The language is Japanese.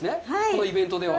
このイベントでは。